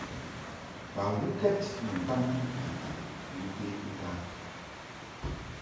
Bawukɛd ni ntam ndikaŋ ni ŋkwe kɨntan.